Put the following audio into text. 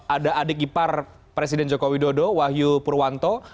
ada adik ipar presiden joko widodo wahyu purwanto